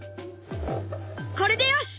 これでよし！